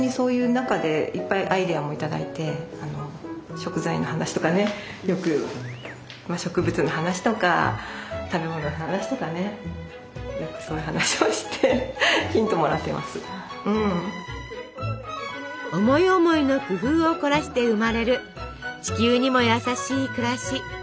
食材の話とかねよく植物の話とか食べ物の話とかねよくそういう話をして思い思いの工夫を凝らして生まれる地球にも優しい暮らし。